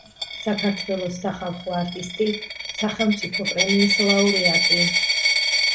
საქართველოს სახალხო არტისტი, სახელმწიფო პრემიის ლაურეატი.